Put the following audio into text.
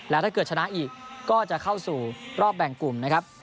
แล้วถ้าเกิดชนะอีกก็จะเข้าสู่รอบแบ่งกลุ่มนะครับ